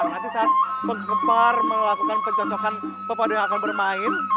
nanti saat pengempar melakukan pencocokan pepada yang akan bermain